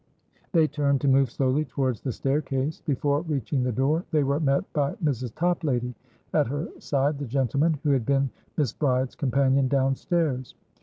They turned to move slowly towards the staircase. Before reaching the door, they were met by Mrs. Toplady, at her side the gentleman who had been Miss Bride's companion downstairs.